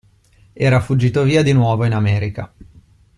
Era fuggito via di nuovo in America.